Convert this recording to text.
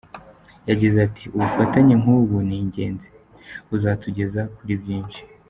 Yagize ati “ubufatanye nk’ubu ni ingenzi, buzatugeza kuri byinshi.